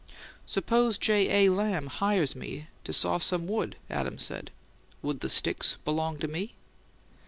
"Suppose J. A. Lamb hired me to saw some wood," Adams said. "Would the sticks belong to me?"